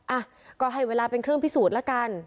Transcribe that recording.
อ่ะก็ให้เวลาเป็นเครื่องพิสูจน์แล้วกัน